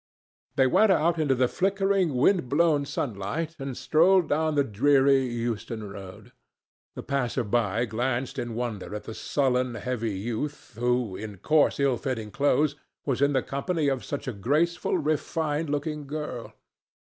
They went out into the flickering, wind blown sunlight and strolled down the dreary Euston Road. The passersby glanced in wonder at the sullen heavy youth who, in coarse, ill fitting clothes, was in the company of such a graceful, refined looking girl.